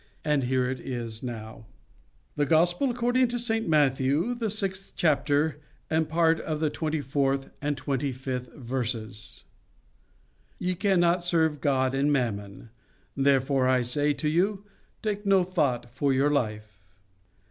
And here it is now: The Gospel according to St Matthew, the sixth chapter, and part of the twenty fourth and twenty fifth verses:— "'YE CANNOT SERVE GOD AND MAMMON. THEREFORE I SAY TO YOU, TAKE NO THOUGHT FOR YOUR LIFE.